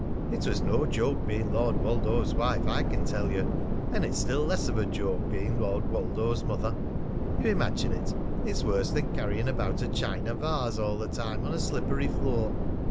It was no joke being Lord Woldo's wife, I can tell you; and it's still less of a joke being Lord Woldo's mother. You imagine it. It's worse than carrying about a china vase all the time on a slippery floor.